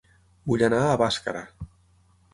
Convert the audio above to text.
Vull anar a Bàscara